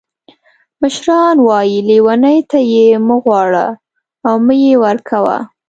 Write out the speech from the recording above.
مشران وایي لیوني نه یې مه غواړه او مه یې ورکوه.